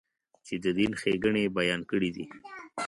چې د دین ښېګڼې یې بیان کړې دي.